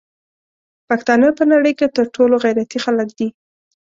پښتانه په نړی کی تر ټولو غیرتی خلک دی